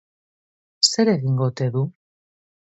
Zer egingo ote du?